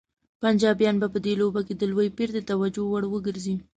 پنجابیان به په دې لوبه کې د لوی پیر د توجه وړ وګرځي.